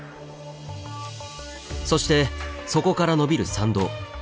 そしてそこからのびる参道。